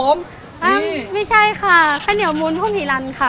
ไม่ใช่ค่ะข้าวเหนียวมูลห้มีลันค่ะ